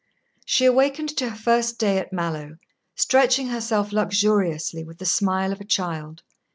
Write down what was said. She awakened to her first day at Mallowe, stretching herself luxuriously, with the smile of a child.